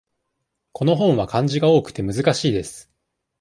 この本は漢字が多くて難しいです。